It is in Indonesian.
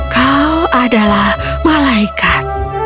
kau adalah malaikat